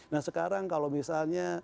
nah sekarang kalau misalnya